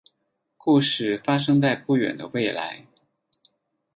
故事发生在不远的未来。